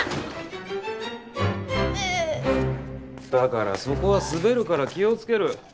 だからそこは滑るから気を付ける。